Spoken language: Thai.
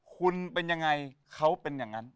คุณเป็นยังไงเขาเป็นอย่างนั้น